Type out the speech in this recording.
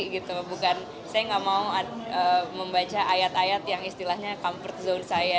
saya tidak mau membaca ayat ayat yang istilahnya comfort zone saya